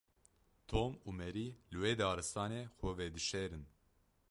Tom û Mary li wê daristanê xwe vedişêrin.